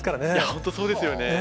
本当そうですよね。